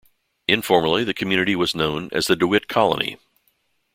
Informally, the community was known as the DeWitt Colony.